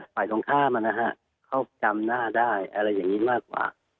ฝ่ายตรงข้ามันนะฮะเข้าจำหน้าได้แบบนี้มากกว่า